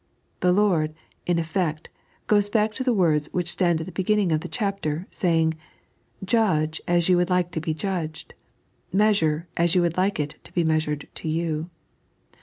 The Lord, in effect, goes back to the words which stand at the beginning of the chapter, Kvying :" Judge as you would like to be judged ; measure as you would like it to be measured to you."